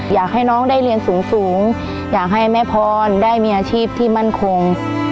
อยากให้น้องได้เรียนสูงอยากให้แม่พรได้มีอาชีพที่มั่นคง